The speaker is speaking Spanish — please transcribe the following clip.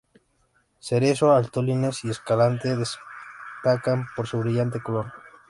Cerezo, Antolínez y Escalante destacan por su brillante color.